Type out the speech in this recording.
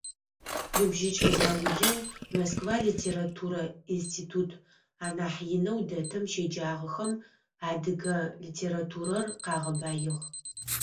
Ныбжьыкӏэ заулэу Москва литературэ институт анахь инэу дэтым щеджагъэхэм адыгэ литературэр къагъэбаигъ.